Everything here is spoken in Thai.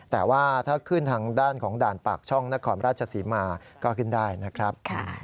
แต่ว่าถ้าขึ้นทางด้านของด่านปากช่องนครราชศรีมาก็ขึ้นได้นะครับ